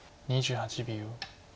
２８秒。